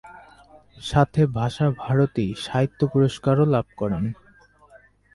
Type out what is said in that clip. সাথে ভাষা-ভারতী সাহিত্য পুরস্কারও লাভ করেন।